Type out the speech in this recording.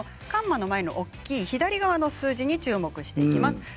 コンマの前の大きい左側の数字に注目していきます。